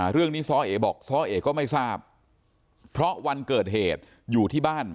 ซ้อเอบอกซ้อเอก็ไม่ทราบเพราะวันเกิดเหตุอยู่ที่บ้าน